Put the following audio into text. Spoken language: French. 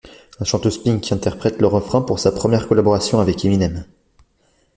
La chanteuse Pink interprète le refrain pour sa première collaboration avec Eminem.